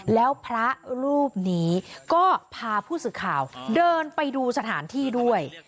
แล้วพระรูปนี้ก็พาผู้สื่อข่าวเดินไปดูสถานที่ด้วย